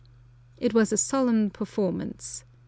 It was a solemn performance.